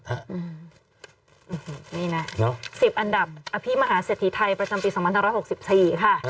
นี่นะ๑๐อันดับอภิมหาเศรษฐีไทยประจำปี๒๑๖๔ค่ะ